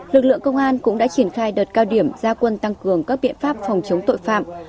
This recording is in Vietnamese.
lực lượng công an cũng đã triển khai đợt cao điểm gia quân tăng cường các biện pháp phòng chống tội phạm